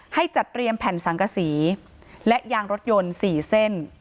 ให้จัดเตรียมแผ่นสังกษีและยางรถยนต์๔เส้น